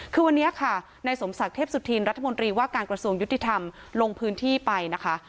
คือวันนี้ค่ะในสมศักดิ์เทพสุธินรัฐมนตรีว่าการกระทรวงยุติธรรมลงพื้นที่ไปนะคะ